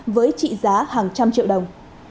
với trị giá hàng trăm triệu đồng